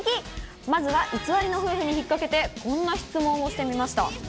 まずは偽りの夫婦にひっかけて、こんな質問をしてみました。